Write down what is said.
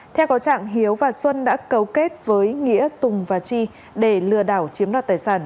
theo có trạng hiếu và xuân đã cấu kết với nghĩa tùng và chi để lừa đảo chiếm đoạt tài sản